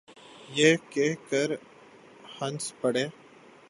یہ کہہ کے ہنس پڑے۔